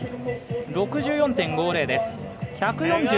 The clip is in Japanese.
６４．５０です。